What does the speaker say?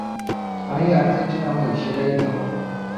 আমিই আর্জেন্টিনা হই, সেটাই ভালো।